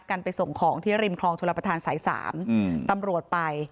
กันไปส่งของที่ริมคลองชุลประธานสาย๓ตำรวจไป